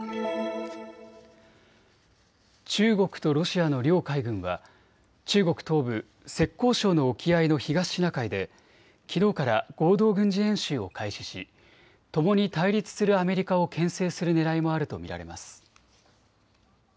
中国とロシアの両海軍は中国東部浙江省の沖合の東シナ海できのうから合同軍事演習を開始しともに対立するアメリカをけん制するねらいもあると見られます。